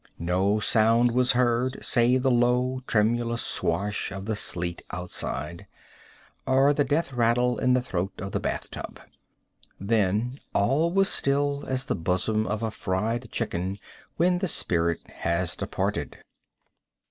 No sound was heard, save the low, tremulous swash of the sleet outside, or the death rattle in the throat of the bath tub. Then all was still as the bosom of a fried chicken when the spirit has departed.